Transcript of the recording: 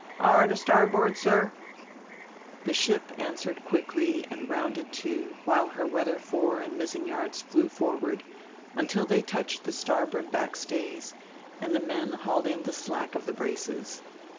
"Hard a starboard, sir." The ship answered quickly and rounded to while her weather fore and mizzen yards flew forward until they touched the starboard backstays and the men hauled in the slack of the braces.